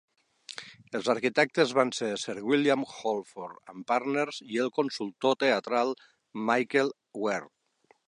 Els arquitectes van ser Sir William Holford and Partners i el consultor teatral Michael Warre.